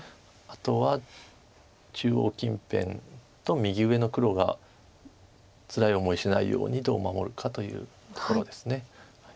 あとは中央近辺と右上の黒がつらい思いしないようにどう守るかというところです。